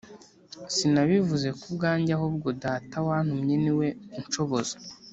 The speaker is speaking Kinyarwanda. Sinabivuze ku bwanjye ahubwo Data wantumye ni we unshoboza